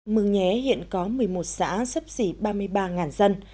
mường nhé hiện có một mươi một xã sắp xỉ ba mươi ba dân